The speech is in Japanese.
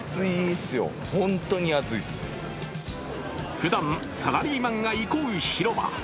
ふだん、サラリーマンが憩う広場。